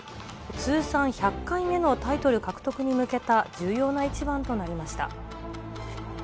通算１００回目のタイトル獲得に向けた重要な一番となりました。